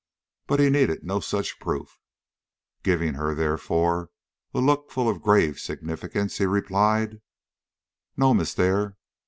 But he needed no such proof. Giving her, therefore, a look full of grave significance, he replied: "No, Miss Dare.